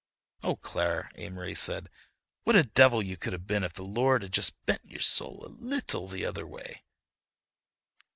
"Oh, Clara!" Amory said; "what a devil you could have been if the Lord had just bent your soul a little the other way!"